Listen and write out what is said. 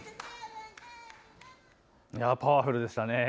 パワフルでしたね。